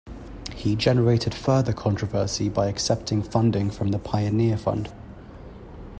He generated further controversy by accepting funding from the Pioneer Fund.